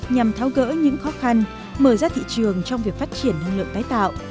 nhằm tháo gỡ những khó khăn mở ra thị trường trong việc phát triển năng lượng tái tạo